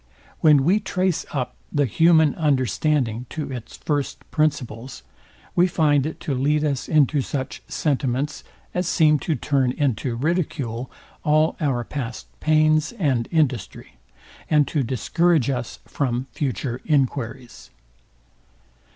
When we trace up the human understanding to its first principles, we find it to lead us into such sentiments, as seem to turn into ridicule all our past pains and industry, and to discourage us from future enquiries.